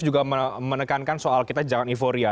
juga menekankan soal kita jangan euforia